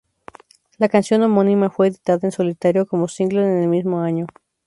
La canción homónima fue editada en solitario como single en el mismo año.